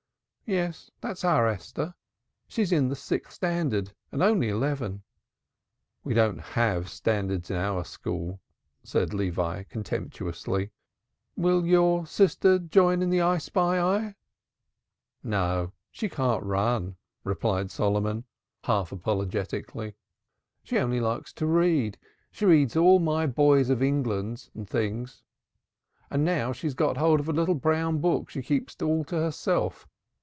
"Yes, that's our Esther she's in the sixth standard and only eleven." "We don't have standards in our school!" said Levi contemptuously. "Will your sister join in the I spy I?" "No, she can't run," replied Solomon, half apologetically. "She only likes to read. She reads all my 'Boys of England' and things, and now she's got hold of a little brown book she keeps all to herself.